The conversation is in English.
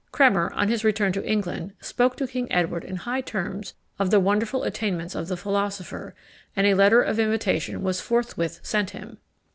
Cremer, on his return to England, spoke to King Edward in high terms of the wonderful attainments of the philosopher, and a letter of invitation was forthwith sent him.